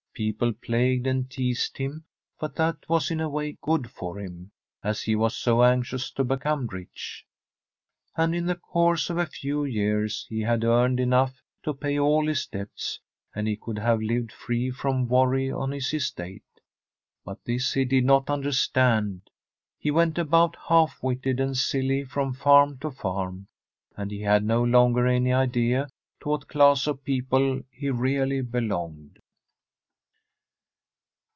People plagued and teased him, but that was in a way good for him, as he was so anxious to become rich. And in the course of a few years he had earned enough to pay all his debts, and he could have lived free from worry on his estate. But this he did not understand; he went about half witted and silly from farm to farm, and he had no longer any idea to what class of people he really belonged.